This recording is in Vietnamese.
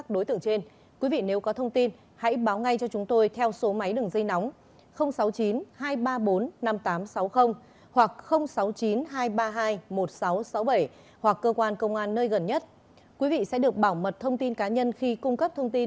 đối tượng này có sẹo chấm cách hai cm dưới sau mếp phải